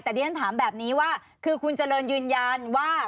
แต่ดิฉันถามแบบนี้ว่าคือคุณเจริญยืนยันว่า